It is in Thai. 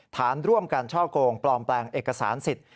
ฐานร่วมกันช่อกงปลอมแปลงเอกสารสิทธิ์